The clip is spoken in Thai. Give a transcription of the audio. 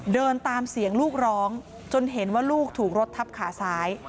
เดินตามเสียงลูกร้องจนเห็นว่าลูกถูกรถทับขาซ้าย